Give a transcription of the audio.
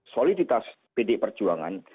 soliditas pdi perjuangan